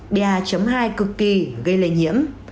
ba hai cực kỳ gây lây nhiễm